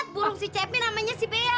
burung si cepi namanya si bea